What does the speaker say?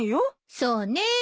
そうねえ。